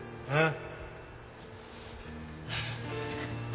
ああ。